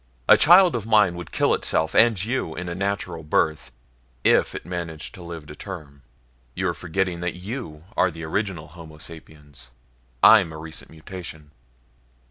A child of mine would kill itself and you in a natural birth, if it managed to live to term. You're forgetting that you are the original homo sapiens. I'm a recent mutation."